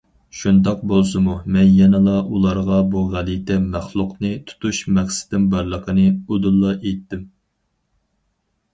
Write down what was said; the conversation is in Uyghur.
شۇنداق بولسىمۇ، مەن يەنىلا ئۇلارغا بۇ غەلىتە مەخلۇقنى تۇتۇش مەقسىتىم بارلىقىنى ئۇدۇللا ئېيتتىم.